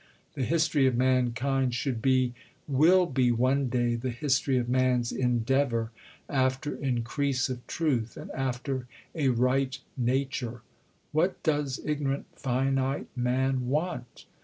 The history of mankind should be, will be one day, the history of man's endeavour after increase of truth, and after a right nature.... What does ignorant finite man want?